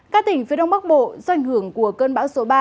các tỉnh phía đông bắc bộ do ảnh hưởng của cơn bão số ba